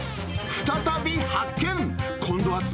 再び発見。